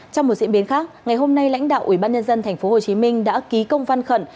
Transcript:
trong một diễn biến khác ngày hôm nay lãnh đạo ubnd tp hcm đã ký công văn khẩn